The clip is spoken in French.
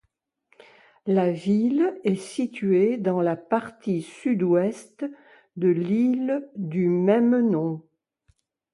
La ville est située dans la partie sud-ouest de l'île du même nom.